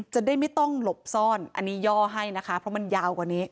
จะได้ไม่ต้องหลบซ่อนอันนี้ย่อให้นะคะเพราะมันยาวกว่านี้